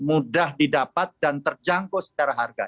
mudah didapat dan terjangkau secara harga